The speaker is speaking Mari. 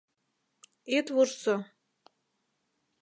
Ит вурсо...